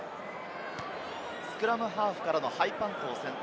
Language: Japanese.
スクラムハーフからのハイパントを選択。